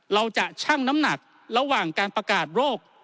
จะชั่งน้ำหนักระหว่างการประกาศโรค